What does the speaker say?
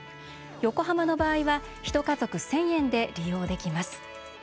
横浜の場合は１家族１０００円で利用できます。